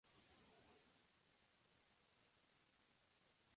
La temporada es muy positiva para el jugador, tanto a nivel colectivo como individual.